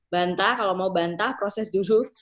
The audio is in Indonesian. bantah kalau mau bantah proses dulu